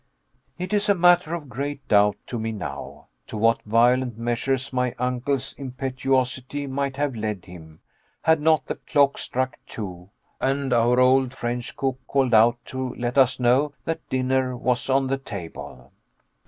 It is a matter of great doubt to me now, to what violent measures my uncle's impetuosity might have led him, had not the clock struck two, and our old French cook called out to let us know that dinner was on the table.